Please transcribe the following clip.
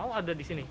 oh ada di sini